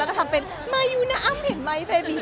แล้วก็ทำเป็นมายูนะอ้ำเห็นไหมเบบี